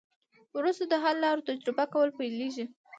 وروسته د حل لارو تجربه کول پیلیږي.